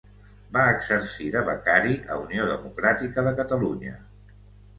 Va exercir de becari a Unió Democràtica de Catalunya.